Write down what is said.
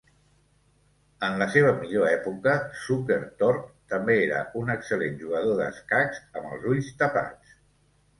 En la seva millor època, Zukertort també era un excel·lent jugador d'escacs amb els ulls tapats.